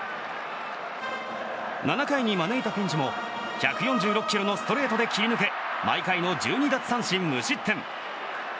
７回に招いたピンチも１４６キロのストレートで切り抜け毎回の１２奪三振無失点。